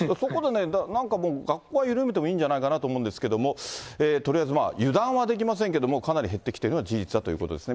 なんか学校は緩めてもいいんじゃないかなと思うんですけれども、とりあえずまあ、油断はできませんけれども、かなり減ってきているのは事実だということですね。